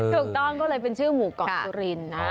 ถูกต้องก็เลยเป็นชื่อหมูเกาะสุรินทร์นะ